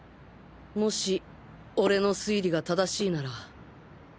もし俺の推理が正しいなら。